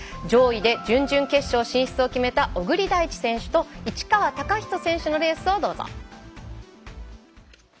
上位で準々決勝進出を決めた小栗大地選手と市川貴仁選手のレースをどうぞ。